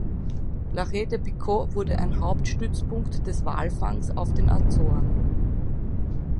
Lajes do Pico wurde ein Hauptstützpunkt des Walfangs auf den Azoren.